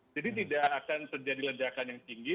jadi tidak akan terjadi ledakan yang tinggi